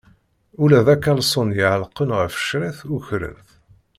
Ula d akalṣun iɛellqen ɣef ccriṭ, ukren-t!